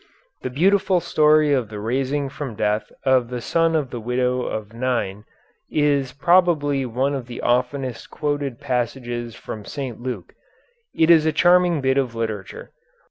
The beautiful story of the raising from death of the son of the widow of Nain is probably one of the oftenest quoted passages from St. Luke. It is a charming bit of literature.